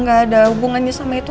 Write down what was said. gak ada hubungannya sama itu